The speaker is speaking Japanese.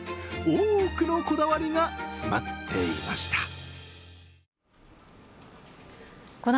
多くのこだわりが詰まっていました。